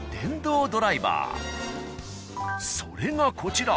それがこちら。